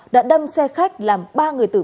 đã đâm xe khách làm ba người tử vụ